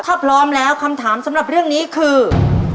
ถ้าพร้อมแล้วคำถามสำหรับเรื่องนี้คือ